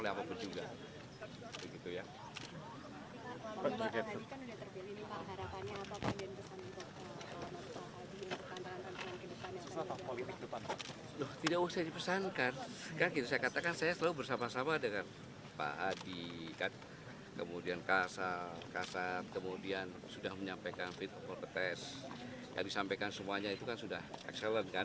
yang sangat berhasil mengembangkan